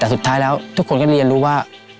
แต่สุดท้ายแล้วทุกคนก็เรียนรู้ว่า